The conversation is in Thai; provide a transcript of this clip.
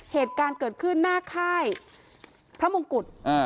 เหตุการณ์เกิดขึ้นหน้าค่ายพระมงกุฎ